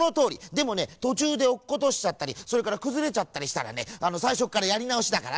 でもねとちゅうでおっことしちゃったりそれからくずれちゃったりしたらねさいしょからやりなおしだからね。